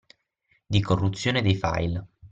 Di corruzione dei file